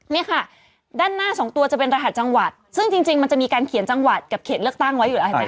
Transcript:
นี่ค่ะด้านหน้าสองตัวจะเป็นรหัสจังหวัดซึ่งจริงมันจะมีการเขียนจังหวัดกับเขตเลือกตั้งไว้อยู่แล้วอาจาร